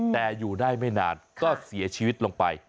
แต่อยู่ได้ไม่นานก็เสียชีวิตลงไป